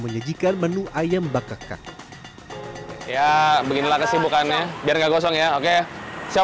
menyajikan menu ayam bakak ya beginilah kesibukannya biar gak gosong ya oke siap